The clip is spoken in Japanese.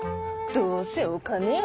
どうせお金やろ。